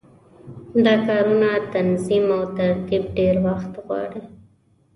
دا کارونه تنظیم او ترتیب ډېر وخت غواړي.